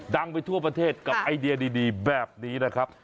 ไปทั่วประเทศกับไอเดียดีแบบนี้นะครับ